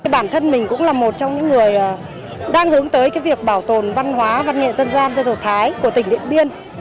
bản thân mình cũng là một trong những người đang hướng tới cái việc bảo tồn văn hóa văn nghệ dân gian dân tộc thái của tỉnh điện biên